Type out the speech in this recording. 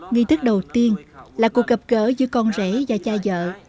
nghĩ tức đầu tiên là cuộc gặp gỡ giữa con rể và cha vợ